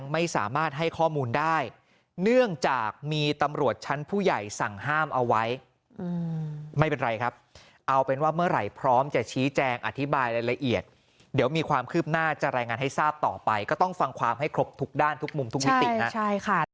ไม่สามารถให้ข้อมูลได้เนื่องจากมีตำรวจชั้นผู้ใหญ่สั่งห้ามเอาไว้ไม่เป็นไรครับเอาเป็นว่าเมื่อไหร่พร้อมจะชี้แจงอธิบายรายละเอียดเดี๋ยวมีความคืบหน้าจะรายงานให้ทราบต่อไปก็ต้องฟังความให้ครบทุกด้านทุกมุมทุกมิตินะใช่ค่ะ